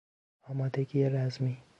آمادگی رزمی